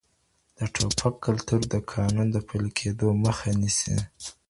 د ټوپک کلتور د قانون د پلي کېدو مخه نیسي.